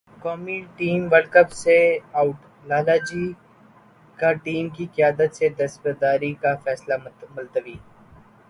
قومی team world cup سے اٹ لالہ جی کا ٹیم کی قیادت سے دستبرداری کا فیصلہ ملتوی